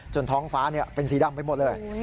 ท้องฟ้าเป็นสีดำไปหมดเลย